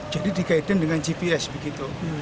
jadi dikaiden dengan gps begitu